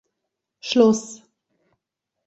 Schluss!